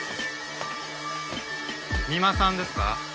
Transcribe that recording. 三馬さんですか？